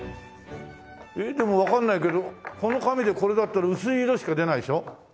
えっでもわかんないけどこの紙でこれだったら薄い色しか出ないでしょ？